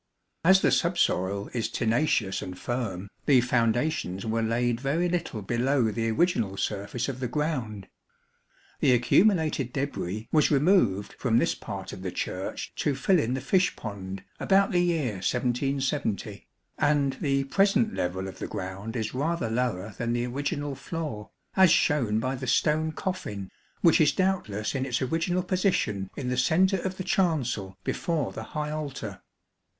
As the subsoil is tenacious and firm, the foundations were laid very little below the original surface of the ground. The accumulated debris was removed from this part of the Church to fill in the fish pond about the year 1770, and the present level of the ground is rather lower than the original floor, as shown by the stone coffin, which is doubtless in its original position in the centre of the chancel before the high altar.